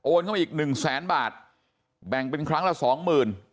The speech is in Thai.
โอนเข้ามาอีก๑๐๐๐๐๐บาทแบ่งเป็นครั้งละ๒๐๐๐๐บาท